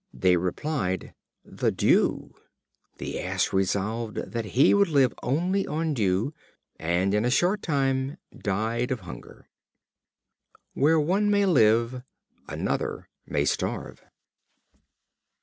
They replied: "The dew." The Ass resolved that he would live only upon dew, and in a short time died of hunger. Where one may live, another may starve.